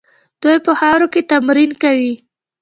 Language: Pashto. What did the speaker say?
دوی په خاورو کې تمرین کوي.